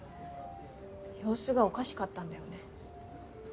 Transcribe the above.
様子がおかしかったんだよね。